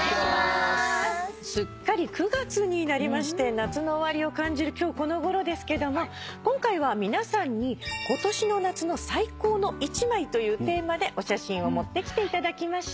すっかり９月になりまして夏の終わりを感じる今日このごろですけども今回は皆さんに今年の夏の最高の１枚というテーマでお写真を持ってきていただきました。